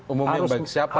umumnya bagi siapa gitu ya